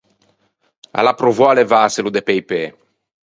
A l’à provou à levâselo de pe-i pê.